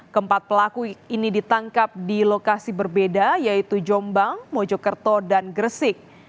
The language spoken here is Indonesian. keempat pelaku ini ditangkap di lokasi berbeda yaitu jombang mojokerto dan gresik